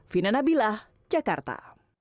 vina nabilah jakarta